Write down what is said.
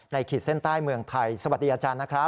ขีดเส้นใต้เมืองไทยสวัสดีอาจารย์นะครับ